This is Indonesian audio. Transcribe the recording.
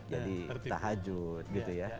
jadi tahajud gitu ya